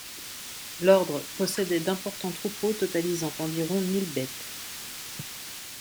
L'ordre possédait d'importants troupeaux totalisant environ mille bêtes.